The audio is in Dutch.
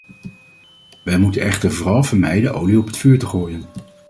Wij moeten echter vooral vermijden olie op het vuur te gooien.